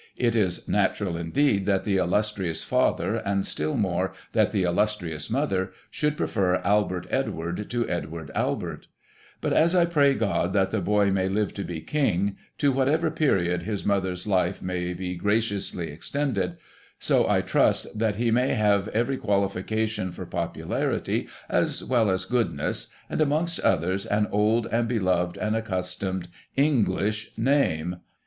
" It is natural, indeed, that the illustrious father, and still more, that the illustrious mother, should prefer Albert Edward to Edward Albert. "But as I pray God that the boy may live to be King, to whatever period his mother's life may be graciously ex tended, so. I trust that he may have every qualification for popularity as well as goodness, and, amongst others, an old, and beloved, and accustomed English name.